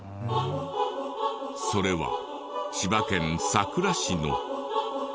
それは千葉県佐倉市の。